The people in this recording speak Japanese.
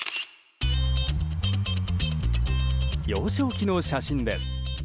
幼少期の写真です。